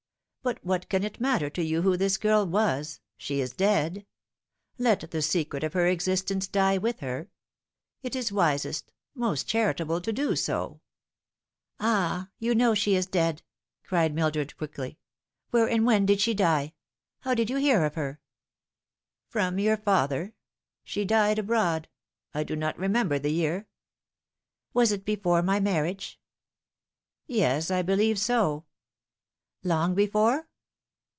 But what can it matter to you who this girl was ? She is dead. Let the secret of her existence die with her. It is wisest, most charitable to do so." " Ah, yon know she is dead !" cried Mildred quickly. " Where and when did she die ? How did you hear of her ?"" From your father. She died abroad. I do not remember the year." " Was it before my marriage ?"" Yes, I believe so." " Long before